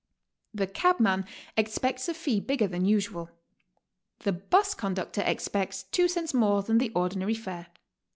The cabman expects a fee bigger than usual. The bus conductor expects two cents more than the ordinary fare.